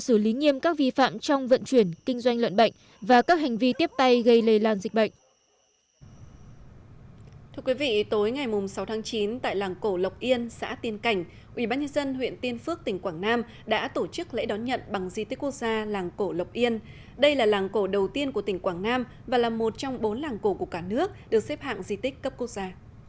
ủy ban nhân dân huyện tiên phước tỉnh quảng nam đã tổ chức lễ đón nhận bằng di tích quốc gia làng cổ lộc yên đây là làng cổ đầu tiên của tỉnh quảng nam và là một trong bốn làng cổ của cả nước được xếp hạng di tích cấp quốc gia